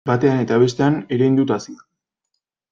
Batean eta bestean erein dut hazia.